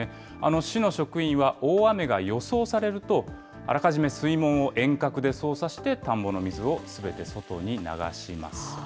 市の職員は、大雨が予想されると、あらかじめ水門を遠隔で操作して田んぼの水をすべて外に流します。